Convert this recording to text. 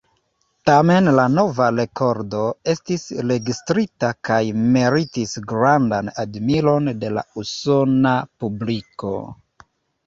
Tamen la nova rekordo estis registrita kaj meritis grandan admiron de la usona publiko.